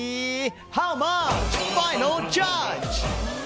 ハウマッチファイナルジャッジ。